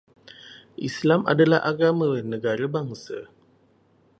Islam adalah agama negara bangsa